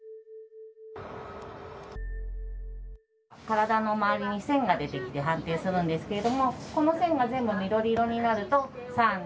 体の周りに線が出てきて反転するんですけれどもこの線が全部緑色になると３２１。